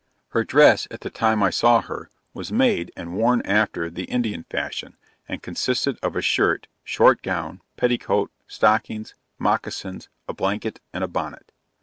Her dress at the time I saw her, was made and worn after, the Indian fashion, and consisted of a shirt, short gown, petticoat, stockings, moccasins, a blanket and a bonnet.